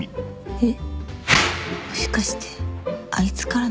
えっ？